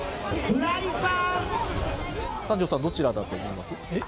三條さん、どちらだと思いまえっ？